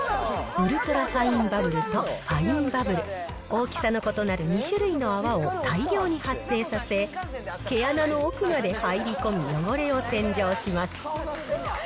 ウルトラファインバブルとファインバブル、大きさの異なる２種類の泡を大量に発生させ、毛穴の奥まで入り込み、汚れを洗浄します。